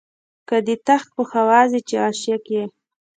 که دي تخت په هوا ځي چې عاشق یې.